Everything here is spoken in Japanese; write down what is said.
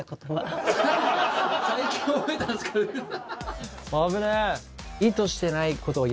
最近覚えたんすか⁉本当だ。